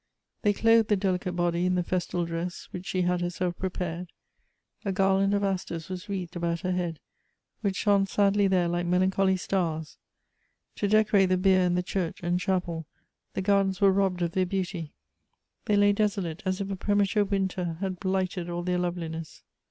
They clothed the delicate body in the festal dress, which she had herself prepared. A garland of asters was wreathed about her head, which shone sadly there liko melancholy stars. To decorate the bier and the church and chapel, the gardens were robbed of their beauty ; they lay desolate as if a premature winter had blighted all their loveliness.